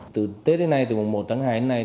từ tết đến nay từ mùng một tháng hai đến nay